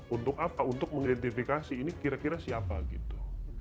untuk apa untuk mengidentifikasi ini kira kira siapa gitu